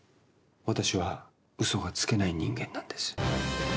私は嘘がつけない人間なんです。